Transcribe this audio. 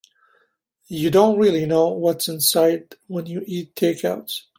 You don't really know what's inside when you eat takeouts.